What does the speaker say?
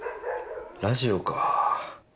ラジオか。